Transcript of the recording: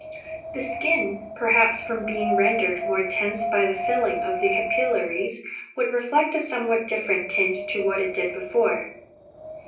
The skin, perhaps, from being rendered more tense by the filling of the capillaries, would reflect a somewhat different tint to what it did before.